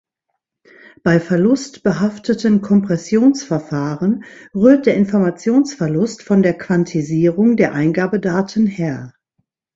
Bei verlustbehafteten Kompressionsverfahren rührt der Informationsverlust von der Quantisierung der Eingabedaten her.